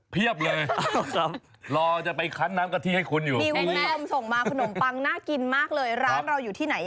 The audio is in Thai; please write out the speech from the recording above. มีวิดีโชน์ส่งมาขนมปังน่ากินมากเลย